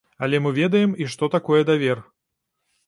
Але мы ведаем і што такое давер.